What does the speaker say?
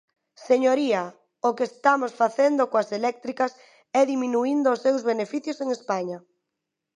Señoría, o que estamos facendo coas eléctricas é diminuíndo os seus beneficios en España.